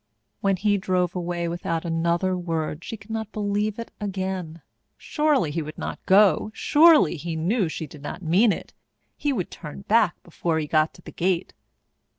When he drove away without another word, she could not believe it again. Surely he would not go surely he knew she did not mean it he would turn back before he got to the gate.